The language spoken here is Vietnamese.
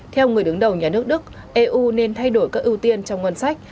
theo người đứng đầu nhà nước đức eu nên thay đổi các ưu tiên trong ngân sách